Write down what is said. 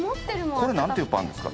これ何ていうパンですか？